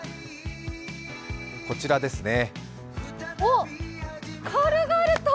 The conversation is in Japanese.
こちらですね。